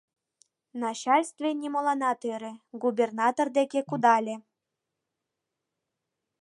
Начальстве нимоланат ӧрӧ, губернатор деке кудале.